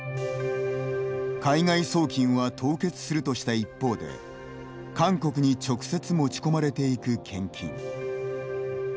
海外送金は凍結するとした一方で韓国に直接持ち込まれていく献金。